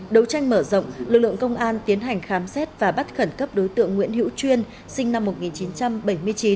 đấu tranh mở rộng lực lượng công an tiến hành khám xét và bắt khẩn cấp đối tượng nguyễn hữu chuyên sinh năm một nghìn chín trăm bảy mươi chín